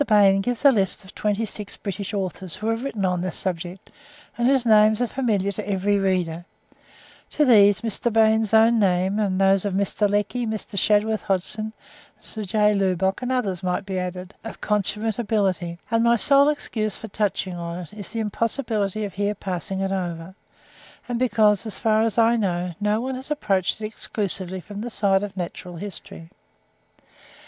Bain gives a list ('Mental and Moral Science,' 1868, pp. 543 725) of twenty six British authors who have written on this subject, and whose names are familiar to every reader; to these, Mr. Bain's own name, and those of Mr. Lecky, Mr. Shadworth Hodgson, Sir J. Lubbock, and others, might be added.) of consummate ability; and my sole excuse for touching on it, is the impossibility of here passing it over; and because, as far as I know, no one has approached it exclusively from the side of natural history.